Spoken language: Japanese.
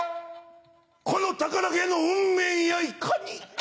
この宝毛の運命やいかに。